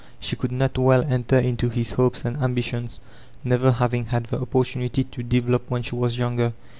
She could not well enter into his hopes and ambitions, never having had the oppor tunity to develop when she was younger.